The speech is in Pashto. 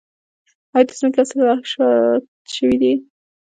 آیا د ځمکې اصلاحات شوي دي؟